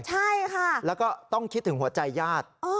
ใช่ค่ะแล้วก็ต้องคิดถึงหัวใจญาติ